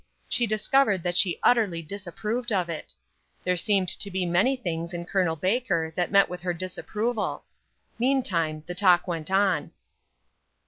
She discovered that she utterly disapproved of it. There seemed to be many things in Col. Baker that met with her disapproval. Meantime the talk went on.